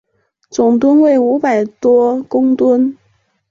总吨位五百多公顿。